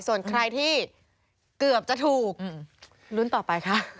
ส่วนใครที่เกือบจะถูกลุ้นต่อไปค่ะ